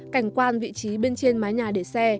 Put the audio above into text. cảnh quan vị trí bên trên mái nhà để xe